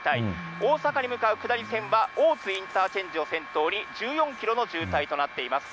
大阪に向かう下り線は、大津インターチェンジを先頭に１４キロの渋滞となっています。